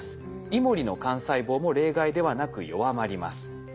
イモリの幹細胞も例外ではなく弱まります。